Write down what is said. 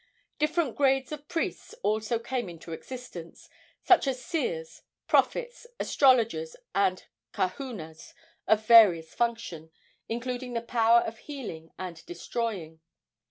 Different grades of priests also came into existence, such as seers, prophets, astrologers and kahunas of various function, including the power of healing and destroying.